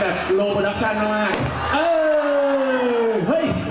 โอ้โหเป็นแบบมากเอ่ย